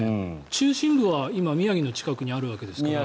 中心部は今、宮城の近くにあるわけですから。